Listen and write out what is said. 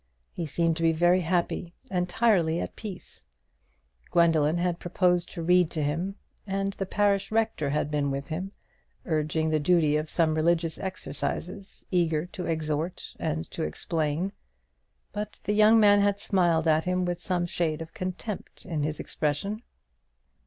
He seemed to be very happy entirely at peace. Gwendoline had proposed to read to him; and the parish rector had been with him, urging the duty of some religious exercises, eager to exhort and to explain; but the young man had smiled at him with some shade of contempt in his expression.